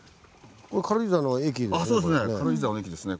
これ軽井沢の駅ですね。